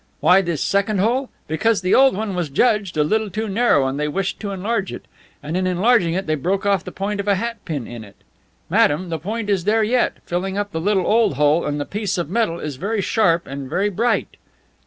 Why this second hole? Because the old one was judged a little too narrow and they wished to enlarge it, and in enlarging it they broke off the point of a hat pin in it. Madame, the point is there yet, filling up the little old hole and the piece of metal is very sharp and very bright."